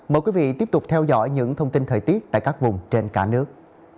mời quý vị tiếp tục theo dõi những thông tin thời tiết tại các vùng trên cả nước